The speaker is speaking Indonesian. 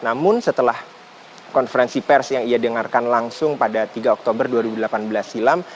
namun setelah konferensi pers yang ia dengarkan langsung pada tiga oktober dua ribu delapan belas silam